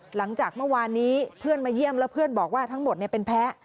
หลังจากเมื่อวานนี้เพื่อนมาเยี่ยมแล้วเพื่อนบอกว่าทั้งหมดเป็นแพ้